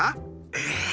えっ！